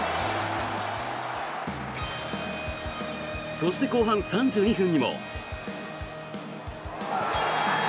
そして後半３２分にも。